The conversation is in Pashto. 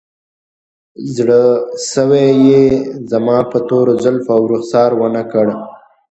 زړسوی یې زما په تورو زلفو او رخسار ونه کړ